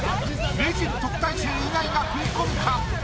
名人・特待生以外が食い込むか？